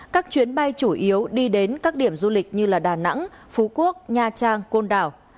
các chuyến bay chủ yếu đi đến các điểm du lịch như đà nẵng phú quốc nha trang côn đảo